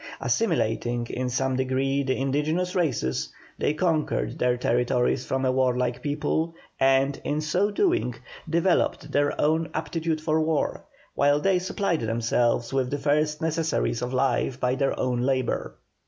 Assimilating in some degree the indigenous races, they conquered their territories from a warlike people, and, in so doing, developed their own aptitude for war, while they supplied themselves with the first necessaries of life by their own labour.